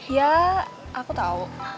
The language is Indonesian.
ya aku tau